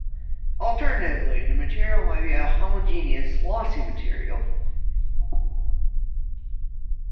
Alternatively the material may be a homogeneous "lossy" material.